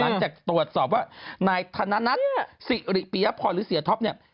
หลังจากตรวจสอบว่านายธนานัทศิริเปี๊ยะพอลิเซียท็อปเนี่ย